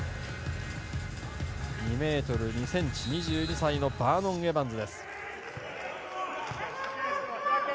２ｍ２ｃｍ２２歳のバーノン・エバンズ。